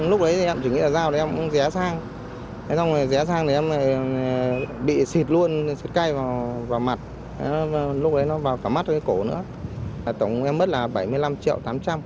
lúc đấy nó vào cả mắt rồi cái cổ nữa tổng em mất là bảy mươi năm triệu tám trăm linh